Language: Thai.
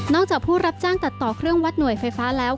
จากผู้รับจ้างตัดต่อเครื่องวัดหน่วยไฟฟ้าแล้ว